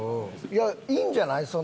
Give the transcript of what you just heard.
いやいいんじゃない？